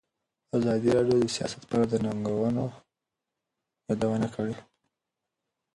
ازادي راډیو د سیاست په اړه د ننګونو یادونه کړې.